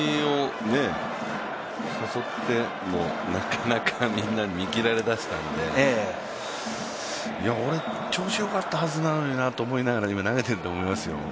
誘ってもなかなかみんな見切られ出したんで、俺、調子よかったはずなのになと今投げていると思いますよ。